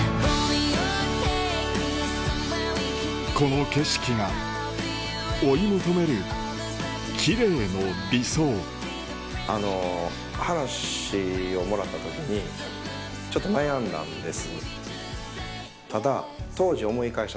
この景色が追い求めるキレイの理想話をもらった時にちょっと悩んだんです。